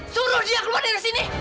suruh dia keluar dari sini